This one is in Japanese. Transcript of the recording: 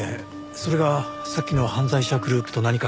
それがさっきの犯罪者グループと何か関係が？